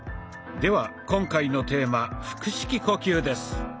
では今回のテーマ「腹式呼吸」です。